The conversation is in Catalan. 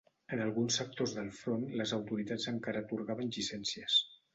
En alguns sectors del front les autoritats encara atorgaven llicències